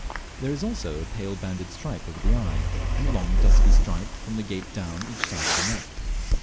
There is also a pale banded stripe over the eye, and a long dusky stripe from the gape down each side of the neck.